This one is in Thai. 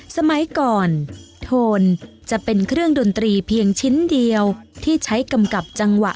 สมัยก่อนโทนจะเป็นเครื่องดนตรีเพียงชิ้นเดียวที่ใช้กำกับจังหวะ